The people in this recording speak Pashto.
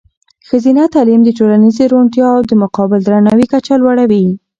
ښځینه تعلیم د ټولنیزې روڼتیا او د متقابل درناوي کچه لوړوي.